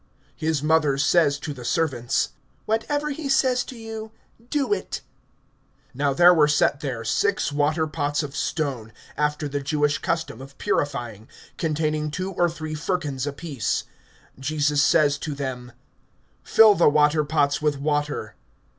(5)His mother says to the servants: Whatever he says to you, do it. (6)Now there were set there six water pots of stone, after the Jewish custom of purifying, containing two or three firkins[2:6] apiece. (7)Jesus says to them: Fill the water pots with water.